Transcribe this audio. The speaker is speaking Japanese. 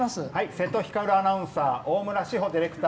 瀬戸光アナウンサー大村志歩